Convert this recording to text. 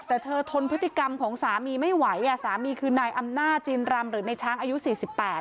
แต่เธอทนพฤติกรรมของสามีไม่ไหวอ่ะสามีคือนายอำนาจจีนรำหรือในช้างอายุสี่สิบแปด